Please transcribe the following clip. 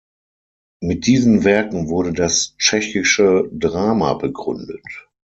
Mit diesen Werken wurde das tschechische Drama begründet.